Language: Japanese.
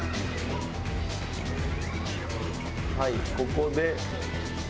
はいここで。